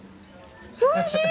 おいしい！